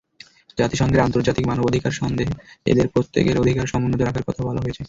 জাতিসংঘের আন্তর্জাতিক মানবাধিকার সনদে এদের প্রত্যেকের অধিকার সমুন্নত রাখার কথা বলা হয়েছে।